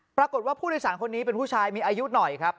ปรากฏว่าผู้โดยสารคนนี้เป็นผู้ชายมีอายุหน่อยครับ